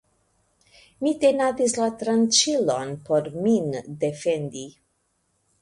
Mi tenadis la tranĉilon por min defendi.